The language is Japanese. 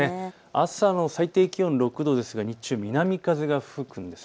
朝、最低気温６度ですが日中、南風が吹くんです。